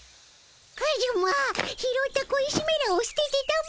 カジュマ拾った小石めらをすててたも。